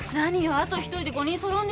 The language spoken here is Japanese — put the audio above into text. あと１人で５人そろうんでしょう？